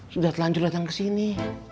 sudah telanjur datang ke sini